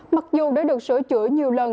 mặc dù đã được sửa chữa nhiều lần